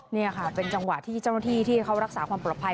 นี่ค่ะเป็นจังหวะที่เจ้าหน้าที่ที่เขารักษาความปลอดภัย